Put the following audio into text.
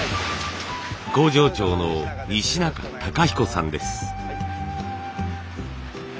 工場長の西中隆彦さんです。